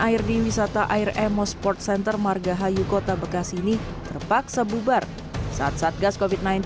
air di wisata air emo sport center margahayu kota bekasi ini terpaksa bubar saat satgas kofit sembilan belas